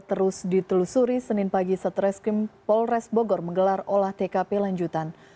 terus ditelusuri senin pagi satreskrim polres bogor menggelar olah tkp lanjutan